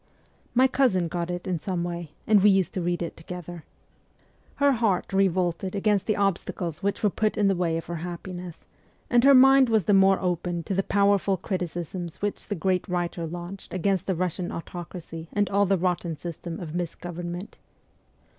My cousin got it in some way, and we used to read it together. Her heart L 2 148 MEMOIRS OF A REVOLUTIONIST revolted against the obstacles which were put in the way of her happiness, and her mind was the more open to the powerful criticisms which the great writer launched against the Kussian autocracy and all the rotten system of misgovernment.